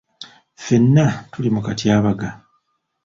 Ffenna tuli mu katyabaga.